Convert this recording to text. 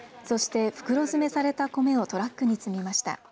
そして、袋詰めされた米をトラックに積みました。